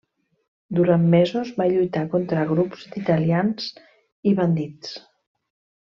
Durant mesos va lluitar contra grups d'italians i bandits.